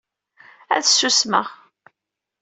Ad susmeɣ.